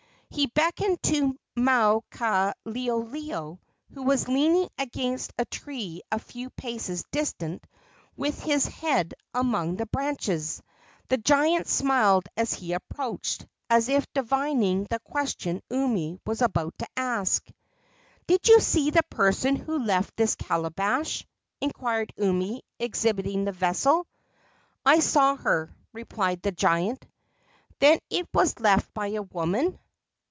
He beckoned to Maukaleoleo, who was leaning against a tree a few paces distant, with his head among the branches. The giant smiled as he approached, as if divining the question Umi was about to ask. "Did you see the person who left this calabash?" inquired Umi, exhibiting the vessel. "I saw her," replied the giant. "Then it was left by a woman?"